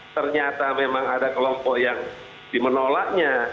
ternyata memang ada kelompok yang dimenolaknya